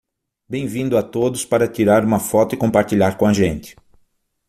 Bem-vindo a todos para tirar uma foto e compartilhar com a gente!